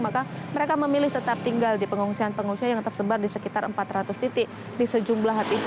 maka mereka memilih tetap tinggal di pengungsian pengungsian yang tersebar di sekitar empat ratus titik di sejumlah titik